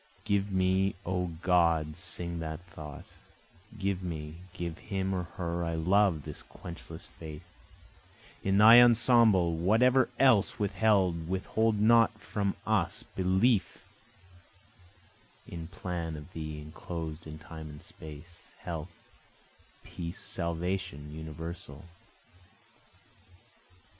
Give me O God to sing that thought, Give me, give him or her I love this quenchless faith, In Thy ensemble, whatever else withheld withhold not from us, Belief in plan of Thee enclosed in Time and Space, Health, peace, salvation universal.